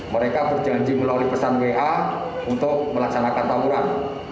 mereka berjanji melalui pesan wa untuk melaksanakan tawuran